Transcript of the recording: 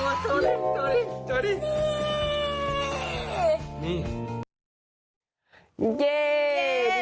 ไม่ต้องหลอกนะฟี